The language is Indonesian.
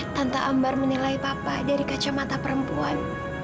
tanpa ambar menilai papa dari kacamata perempuan